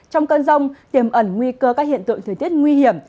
trong cơn rông tiềm ẩn nguy cơ các hiện tượng thời tiết nguy hiểm